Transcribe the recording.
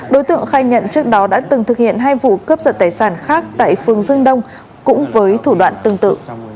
đối tượng khai nhận trước đó đã từng thực hiện hai vụ cướp giật tài sản khác tại phường dương đông cũng với thủ đoạn tương tự